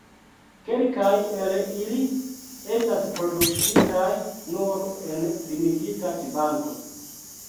Kelkaj el ili estas produktitaj nur en limigita kvanto.